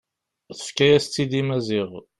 Tefka-yas-tt-id i Maziɣ.